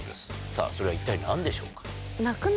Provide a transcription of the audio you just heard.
さぁそれは一体何でしょうか？